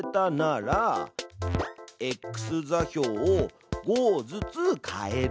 「ｘ座標を５ずつ変える」。